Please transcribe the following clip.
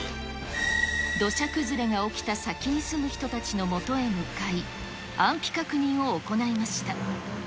土砂崩れが起きた先に住む人たちのもとへ向かい、安否確認を行いました。